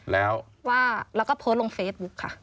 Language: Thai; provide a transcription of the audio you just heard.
แล้วว่าแล้วก็โพสต์ลงเฟซบุ๊คค่ะ